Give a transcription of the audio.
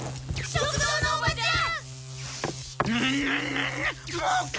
食堂のおばちゃん！